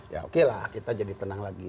ya oke lah kita jadi tenang lagi